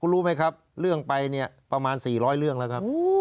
รู้ไหมครับเรื่องไปเนี่ยประมาณ๔๐๐เรื่องแล้วครับ